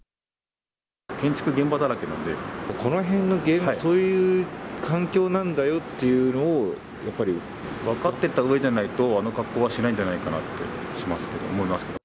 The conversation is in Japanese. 建築現場だらけなんで、この辺、そういう環境なんだよっていうことを、やっぱり分かってたうえじゃないと、あの格好はしないんじゃないかなって思いますけど。